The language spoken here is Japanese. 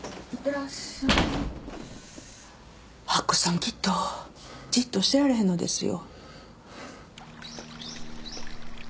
明子さんきっとじっとしてられへんのですよ。